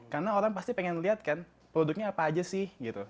karena orang pasti pengen lihat kan produknya apa aja sih